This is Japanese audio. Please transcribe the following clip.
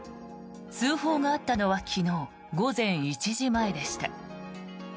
通報があったのは昨日午前１時前でした。